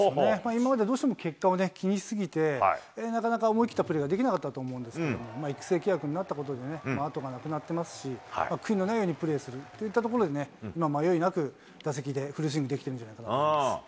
今までどうしても結果を気にしすぎて、なかなか思い切ったプレーができなかったと思うんですけれども、育成契約になったことで、後がなくなっていますし、悔いのないようにプレーするといったところでね、今迷いなく、打席でフルスイングできてるんじゃないかなと思います。